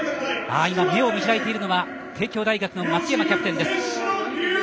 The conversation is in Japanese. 目を見開いたのは帝京大学の松山キャプテンです。